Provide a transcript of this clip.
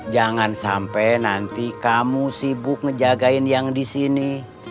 jangan sampai nanti kamu sibuk ngejagain yang di sini